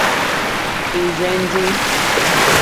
Ì rzɛ́ndī.